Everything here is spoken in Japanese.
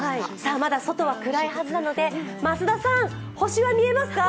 まだ外は暗いはずなので、増田さん、星は見えますか？